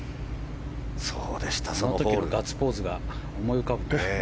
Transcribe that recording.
その時のガッツポーズが思い浮かぶ。